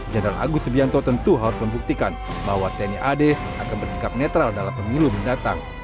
jenderal agus subianto tentu harus membuktikan bahwa tni ad akan bersikap netral dalam pemilu mendatang